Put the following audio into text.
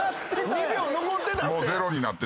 ２秒残ってたって。